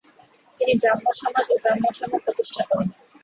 তিনি ব্রাহ্মসমাজ ও ব্রাহ্মধর্ম প্রতিষ্ঠা করেন।